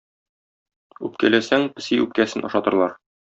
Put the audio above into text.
Үпкәләсәң песи үпкәсен ашатырлар.